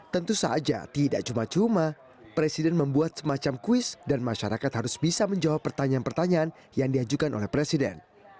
tentu saja tidak cuma cuma presiden membuat semacam kuis dan masyarakat harus bisa menjawab pertanyaan pertanyaan yang diajukan oleh presiden